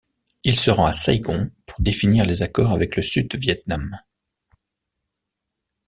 Il se rend à Saigon pour définir les accords avec le Sud-Viêt Nam.